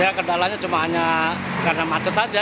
ya kendalanya cuma hanya karena macet saja